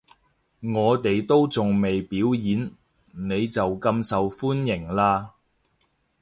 我哋都仲未表演，你就咁受歡迎喇